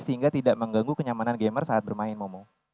sehingga tidak mengganggu kenyamanan gamer saat bermain momo